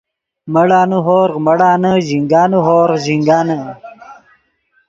مڑانے ہورغ مڑانے ژینگانے ہورغ ژینگانے